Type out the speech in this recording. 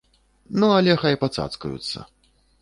Ну, але хай пацацкаюцца!